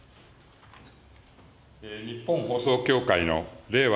日本放送協会の令和